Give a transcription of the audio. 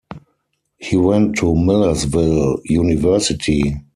He went to Millersville University.